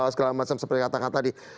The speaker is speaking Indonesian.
seperti kata kata tadi